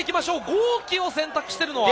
豪鬼を選択してるのは？